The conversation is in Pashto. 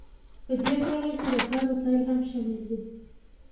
په دې ټولګه کې د کار وسایل هم شامل دي.